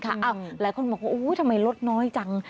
หลายคนบอกว่าทำไมรถน้อยจัง